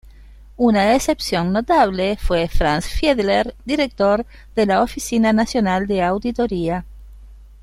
Una excepción notable fue Franz Fiedler, director de la Oficina Nacional de Auditoría.